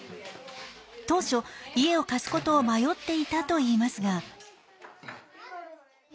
当初家を貸す事を迷っていたといいますが。